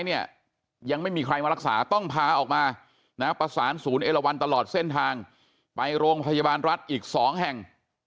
เนี่ยยังไม่มีใครมารักษาต้องพาออกมานะประสานศูนย์เอลวันตลอดเส้นทางไปโรงพยาบาลรัฐอีก๒แห่ง